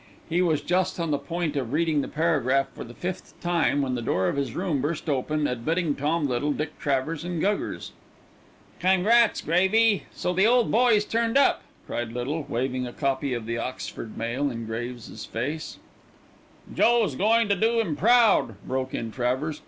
He was just on the point of reading the paragraph for the fifth time when the door of his room burst open, admitting Tom Little, Dick Travers, and Guggers. "Congrats., Gravy. So the old boy's turned up," cried Little, waving a copy of The Oxford Mail in Graves's face. "Joe's is going to do him proud," broke in Travers.